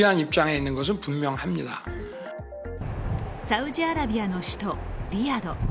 サウジアラビアの首都、リヤド。